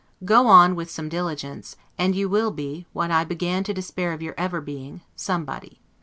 Go on so, with diligence, and you will be, what I began to despair of your ever being, SOMEBODY.